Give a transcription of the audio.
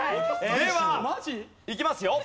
ではいきますよ。